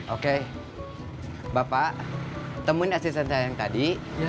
oke bapak temuin asisten saya yang tadi